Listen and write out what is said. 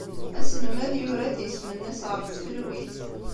Aselmad yura-d isem-nnes ɣef tfelwit.